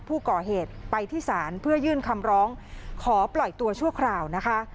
ผู้ก่อเหตุไปที่ศาลเพื่อยื่นคำร้องขอปล่อยตัวชั่วคราวนะคะ